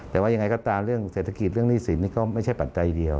แต่ว่ายังไงก็ตามเรื่องเศรษฐกิจเรื่องหนี้สินนี่ก็ไม่ใช่ปัจจัยเดียว